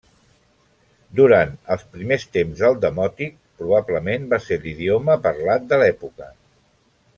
Durant els primers temps del Demòtic, probablement va ser l'idioma parlat de l'època.